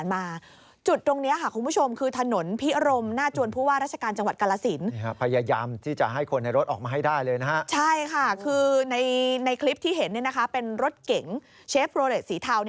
ในคลิปที่เห็นเป็นรถเก๋งเชฟโรเลสสีเทา